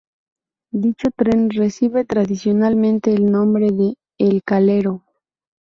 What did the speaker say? Dicho tren recibe tradicionalmente el nombre de ""El Calero"".